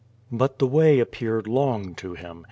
But the way appeared long to him.